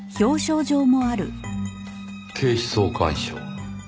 警視総監賞。